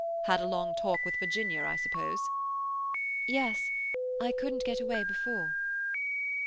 "Had a long talk with Virginia, I suppose?" "Yes. I couldn't get away before."